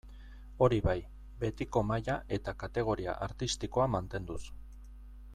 Hori bai, betiko maila eta kategoria artistikoa mantenduz.